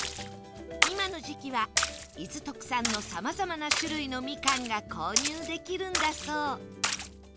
今の時期は伊豆特産のさまざまな種類のみかんが購入できるんだそう